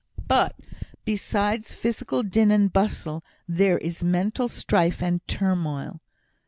But besides physical din and bustle, there is mental strife and turmoil.